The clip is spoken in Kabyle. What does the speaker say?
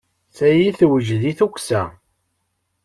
Tayi tewjed i tukksa.